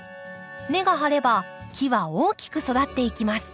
根が張れば木は大きく育っていきます。